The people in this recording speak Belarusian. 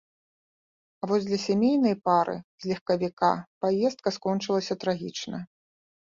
А вось для сямейнай пары з легкавіка паездка скончылася трагічна.